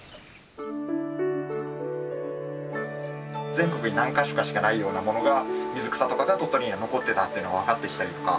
全国に何か所かしかないようなものが水草とかが鳥取には残ってたというのが分かってきたりとか。